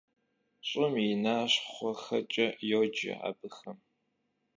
«Ş'ım yi naşxhuexeç'e» yoce abıxem.